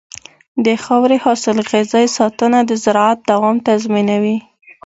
د خاورې حاصلخېزۍ ساتنه د زراعت دوام تضمینوي.